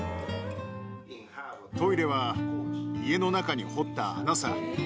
トイレは家の中に掘った穴さ。